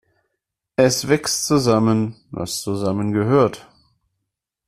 Es wächst zusammen, was zusammengehört.